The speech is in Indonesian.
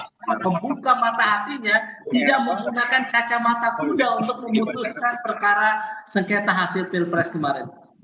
membuka mata hatinya tidak menggunakan kacamata kuda untuk memutuskan perkara sengketa hasil pilpres kemarin